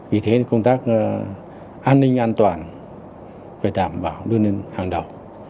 vì thế công tác an ninh an toàn phải đảm bảo đưa lên hàng đầu